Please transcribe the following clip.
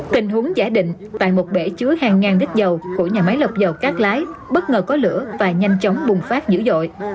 tình huống giả định tại một bể chứa hàng ngàn lít dầu của nhà máy lọc dầu cát lái bất ngờ có lửa và nhanh chóng bùng phát dữ dội